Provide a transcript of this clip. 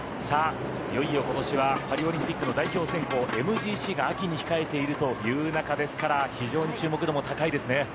いよいよ今年はパリオリンピックの代表選考ＭＧＣが秋に控えているという中ですから非常に注目度も高いですね。